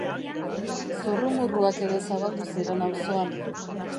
Zurrumurruak ere zabaldu ziren auzoan.